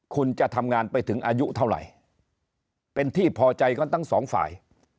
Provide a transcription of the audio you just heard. คุณจะทำงานไปถึงอายุเท่าไหร่เป็นที่พอใจกันทั้งสองฝ่าย